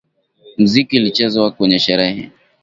Mziki ilichezwa kwenye sherehe.